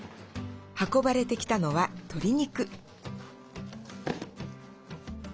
運ばれてきたのは鶏肉。